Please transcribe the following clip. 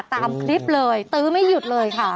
ตามคลิปเลยตื้อไม่หยุดเลยค่ะ